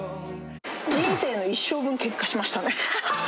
人生の一生分、けんかしましたね。